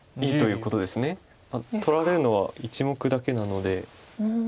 取られるのは１目だけなので。